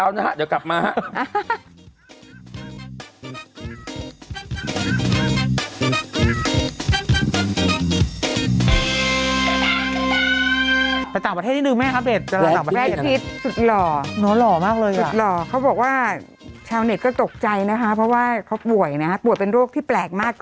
อ่ะเบรกเหรอเอาโฆษณายาวนะฮะเดี๋ยวกลับมา